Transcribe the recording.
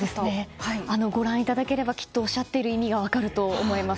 ご覧いただければおっしゃっている意味が分かると思います。